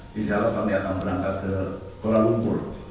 di saat kami akan berangkat ke kuala lumpur